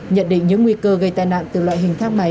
nhận định những nguy cơ gây tai nạn từ loại hình thang máy